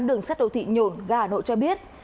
đường sắt đô thị nhổn ga hà nội cho biết